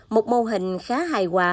một mô hình khá hài hòa